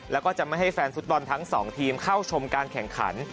แล้วก็จะไม่ให้แฟนฟุตบอลทั้งสองทีมเข้าชมการแข่งขัน